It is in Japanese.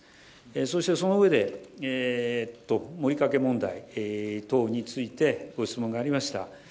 そしてその上で、もりかけ問題等について、ご質問がありました。